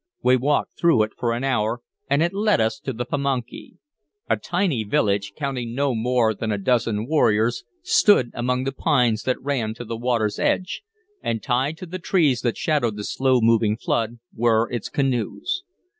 We walked through it for an hour, and it led us to the Pamunkey. A tiny village, counting no more than a dozen warriors, stood among the pines that ran to the water's edge, and tied to the trees that shadowed the slow moving flood were its canoes.